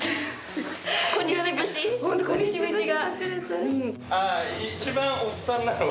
ホント小西節が。